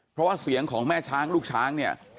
เพราะว่าเสียงของแม่ช้างลูกช้างเนี่ย